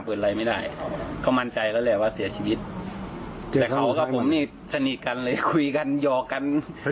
หรือไม่ก็อาจจะเกิดจากการหัวใจวายเพื่อนหน่อยนะฮะ